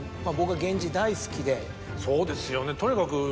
そうですよね。